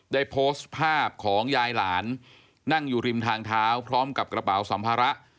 ได้โพสต์ภาพของยายหลานนั่งอยู่ริมทางเท้าพร้อมกับกระเป๋าสัมภาระ